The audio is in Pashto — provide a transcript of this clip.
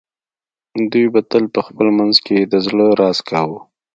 دوی به تل په خپل منځ کې د زړه راز کاوه